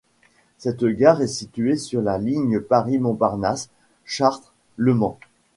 Cette gare est située sur la ligne Paris-Montparnasse ↔ Chartres ↔ Le Mans.